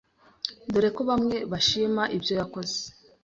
dore ko bamwe bashima ibyo yakoze,